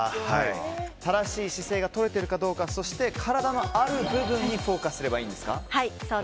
正しい姿勢が取れてるかどうかそして体のある部分にフォーカスすればいいんですか